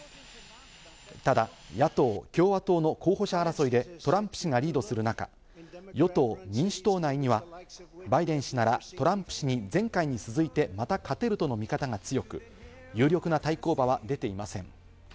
ただ、野党・共和党の候補者争いでトランプ氏がリードする中、与党・民主党内にはバイデン氏ならトランプ氏に前回に続いて、また勝てるとの見方が強く、有力な対抗馬は出ていません。